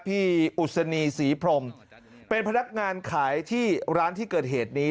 พี่อุศนีศรีพรมเป็นพนักงานขายที่ร้านที่เกิดเหตุนี้